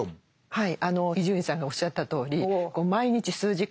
はい。